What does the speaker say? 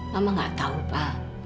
mama nggak tahu pa